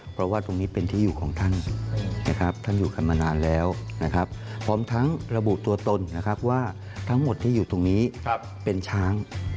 เพราะว่าตรงนี้เป็นที่อยู่ของท่านนะครับท่านอยู่กันมานานแล้วนะครับพร้อมทั้งระบุตัวตนนะครับว่าทั้งหมดที่อยู่ตรงนี้เป็นช้าง